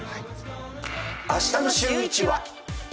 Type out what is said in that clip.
あしたのシューイチは。